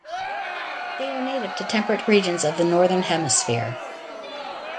They are native to temperate regions of the Northern Hemisphere.